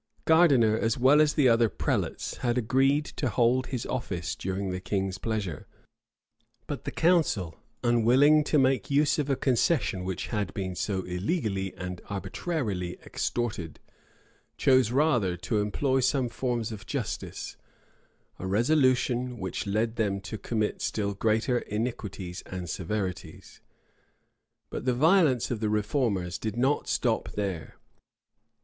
[*] Gardiner, as well as the other prelates, had agreed to hold his office during the king's pleasure: but the council, unwilling to make use of a concession which had been so illegally and arbitrarily extorted, chose rather to employ some forms of justice; a resolution which led them to commit still greater iniquities and severities. But the violence of the reformers did not stop here.